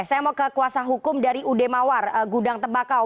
saya mau ke kuasa hukum dari ud mawar gudang tembakau